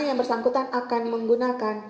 yang bersangkutan akan menggunakan